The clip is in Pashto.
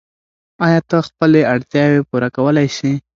آیا ته خپلې اړتیاوې پوره کولای سې؟